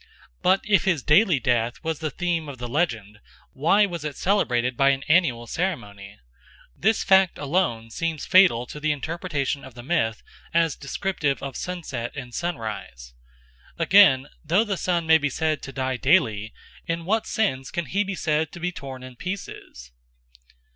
But if his daily death was the theme of the legend, why was it celebrated by an annual ceremony? This fact alone seems fatal to the interpretation of the myth as descriptive of sunset and sunrise. Again, though the sun may be said to die daily, in what sense can he be said to be torn in pieces?